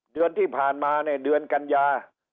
เดือนที่ผ่านมาเนี่ยเดือนกัญญา